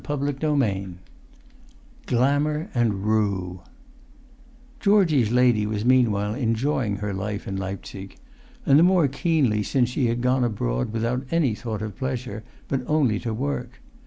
[Pg 291] XXIV GLAMOUR AND RUE Georgie's lady was meanwhile enjoying her life in Leipzig, and the more keenly since she had gone abroad without any thought of pleasure, but only to work.